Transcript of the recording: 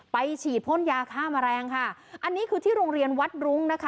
ไปฉีดพ่นยาฆ่าแมลงค่ะอันนี้คือที่โรงเรียนวัดรุ้งนะคะ